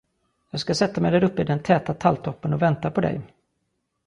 Jag ska sätta mig däruppe i den täta talltoppen och vänta på dig.